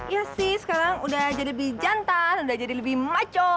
ya sih sekarang udah jadi lebih jantan udah jadi lebih maco